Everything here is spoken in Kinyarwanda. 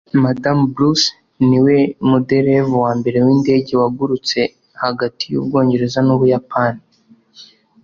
madamu bruce ni we muderevu wa mbere w'indege wagurutse hagati y'ubwongereza n'ubuyapani